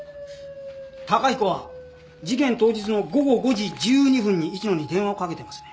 崇彦は事件当日の午後５時１２分に市野に電話をかけてますね。